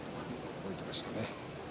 動いていました。